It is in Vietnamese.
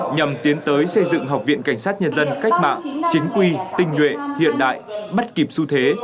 nhằm tiến tới xây dựng học viện cảnh sát nhân dân cách mạng chính quy tinh nhuệ hiện đại bắt kịp xu thế